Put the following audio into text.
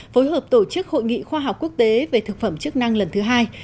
phối hợp tổ chức hội nghị khoa học quốc tế về thực phẩm chức năng lần thứ hai